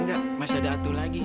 enggak masih ada aturan lagi